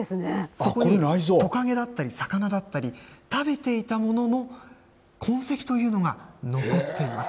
そこに、トカゲだったり、魚だったり、食べていたものの痕跡というのが残っています。